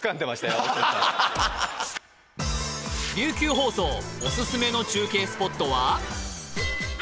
琉球放送おすすめの中継スポットは？